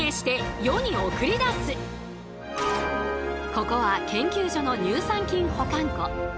ここは研究所の乳酸菌保管庫。